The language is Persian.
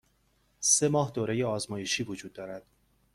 سه ماه دوره آزمایشی وجود دارد.